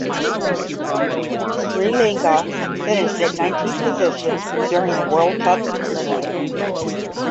Sri Lanka finished at nineteenth position during the World Cup tournament.